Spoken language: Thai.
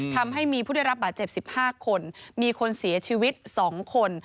ทำให้มีผู้ได้รับบาดเจ็บ๑๕คนมีคนเสียชีวิต๒คน